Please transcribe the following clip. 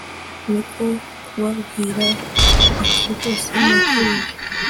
ni ko kubabwira bati rwose murakabije